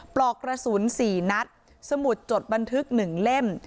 ปลอกกระสุน๔นัดสมุดจดบันทึก๑เล่ม